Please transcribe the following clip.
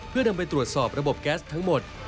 เพื่อนำไปตรวจสอบระบบแก๊สทั้งหมด